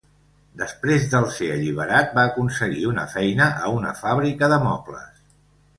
Després del ser alliberat, va aconseguir una feina a una fàbrica de mobles.